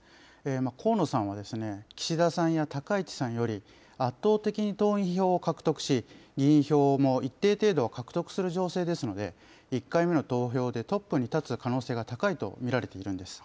河野さんは岸田さんや高市さんより圧倒的に党員票を獲得し、議員票も一定程度獲得する情勢ですので、１回目の投票でトップに立つ可能性が高いと見られているんですね。